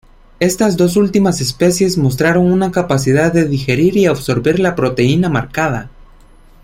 Estas dos últimas especies mostraron una capacidad de digerir y absorber la proteína marcada.